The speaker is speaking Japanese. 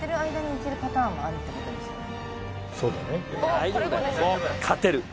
そうだね。